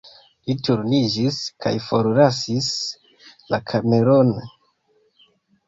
Li turniĝis kaj forlasis la kameron.